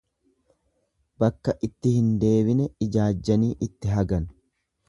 Bakka itti hin deebine ijaajjanii itti hagan.